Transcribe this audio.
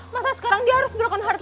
masa sekarang dia harus berukan hadapan